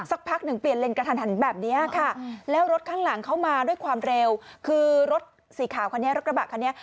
พักหนึ่งเปลี่ยนเลนกระทันหันแบบนี้ค่ะแล้วรถข้างหลังเข้ามาด้วยความเร็วคือรถสีขาวคันนี้รถกระบะคันนี้